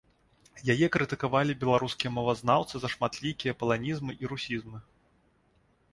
Яе крытыкавалі беларускія мовазнаўцы за шматлікія паланізмы і русізмы.